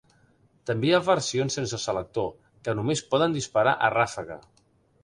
També hi ha versions sense selector, que només poden disparar a ràfega.